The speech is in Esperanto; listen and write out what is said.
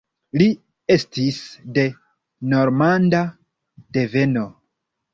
Li estis de normanda deveno.